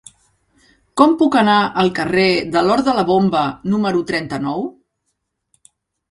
Com puc anar al carrer de l'Hort de la Bomba número trenta-nou?